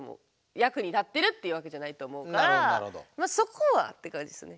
そこはって感じするね。